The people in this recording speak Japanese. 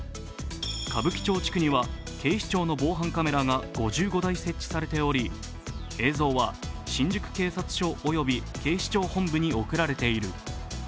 歌舞伎町地区には警視庁の防犯カメラが５５台設置されており映像は新宿警察署および警視庁本部へ送られている。